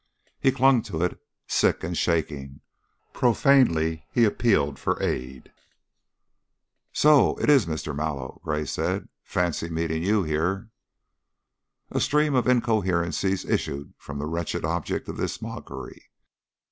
He clung to it, sick and shaking; profanely he appealed for aid. "So! It is Mr. Mallow," Gray said. "Fancy meeting you here!" A stream of incoherencies issued from the wretched object of this mockery.